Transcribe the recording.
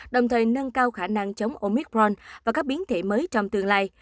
đồng thời nâng cao khả năng chống oicron và các biến thể mới trong tương lai